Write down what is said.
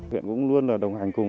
viện cũng luôn là đồng hành cùng